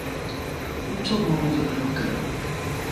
ocolo ove’eke